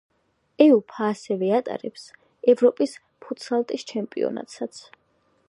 უეფა ასევე ატარებს ევროპის ფუტსალის ჩემპიონატსაც.